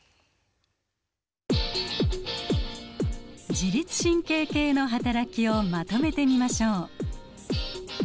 自律神経系のはたらきをまとめてみましょう。